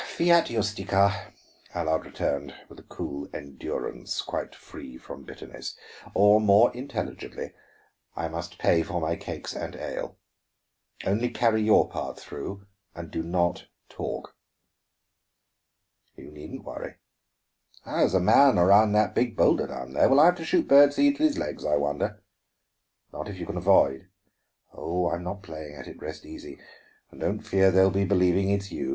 "Fiat justicia," Allard returned, with a cool endurance quite free from bitterness. "Or, more intelligibly, I must pay for my cakes and ale. Only carry your part through, and do not talk." "You needn't worry. There's a man around that big boulder down there! Will I have to shoot bird seed at his legs, I wonder?" "Not if you can avoid!" "Oh, I'm not playing at it; rest easy. And don't fear they'll be believing it's you.